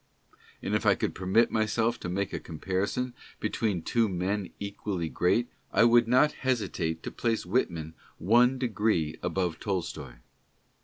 And, if I could permit myself to make a comparison between two men equally great, I would not hesitate to place Whitman one degree above Tolstoi.